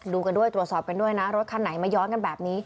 ดูกันด้วยตรวจสอบกันด้วยนะรถคันไหนมาย้อนกันแบบนี้